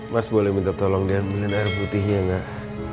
mas boleh minta tolong dia minum air putihnya gak